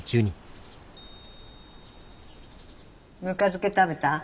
ぬか漬け食べた？